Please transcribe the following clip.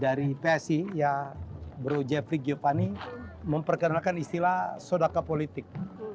dari psi bro jeffrey giopani memperkenalkan istilah sodaka politik